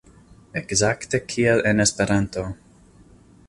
Ekzakte kiel en Esperanto.